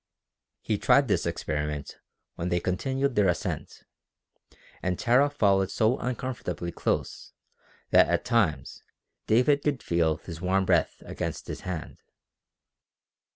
He tried this experiment when they continued their ascent, and Tara followed so uncomfortably close that at times David could feel his warm breath against his hand.